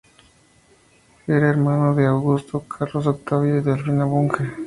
Era hermano de Augusto, Carlos Octavio y Delfina Bunge.